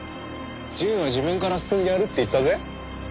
淳は自分から進んでやるって言ったぜ。